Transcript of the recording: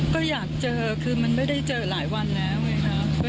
ก็อยากเจอคือไม่ได้เจอหลายวันนี้นะครับ